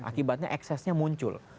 akibatnya eksesnya muncul